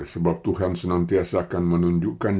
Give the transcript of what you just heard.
sebab tuhan senantiasa akan menunjukkan